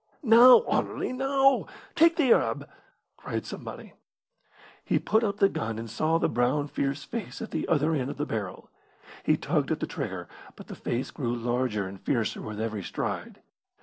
"Now, Anerley, now! Take the Arab!" cried somebody. He put up the gun and saw the brown fierce face at the other end of the barrel. He tugged at the trigger, but the face grew larger and fiercer with every stride.